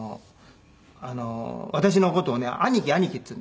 私の事をね「兄貴兄貴」って言うんですね。